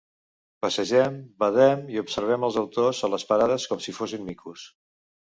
Passegem, badem i observem els autors a les parades com si fossin micos.